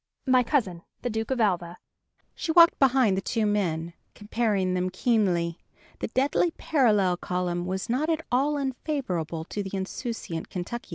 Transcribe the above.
My cousin, the Duke of Alva." She walked behind the two men, comparing them keenly: the deadly parallel column was not at all unfavorable to the insouciant Kentuckian.